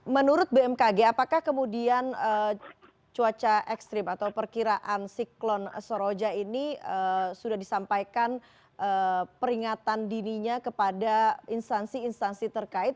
menurut bmkg apakah kemudian cuaca ekstrim atau perkiraan siklon soroja ini sudah disampaikan peringatan dininya kepada instansi instansi terkait